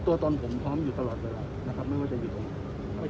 ตนผมพร้อมอยู่ตลอดเวลานะครับไม่ว่าจะอยู่ตรงไหน